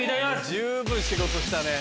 十分仕事したね。